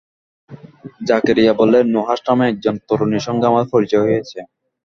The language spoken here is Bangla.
জাকারিয়া বললেন, নুহাশ নামে একজন তরুণীর সঙ্গে আমার পরিচয় হয়েছে।